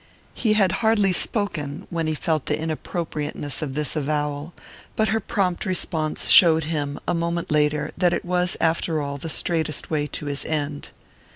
He had hardly spoken when he felt the inappropriateness of this avowal; but her prompt response showed him, a moment later, that it was, after all, the straightest way to his end.